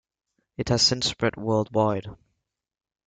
It has since spread worldwide.